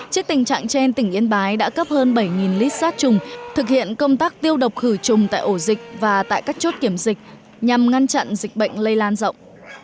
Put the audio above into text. trước tình trạng trên tỉnh yên bái đã cấp hơn bảy lít sát trùng thực hiện công tác tiêu độc khử trùng tại ổ dịch và tại các chốt kiểm dịch nhằm ngăn chặn dịch bệnh lây lan rộng